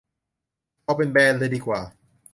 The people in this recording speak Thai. เอาเป็นแบนเลยดีกว่า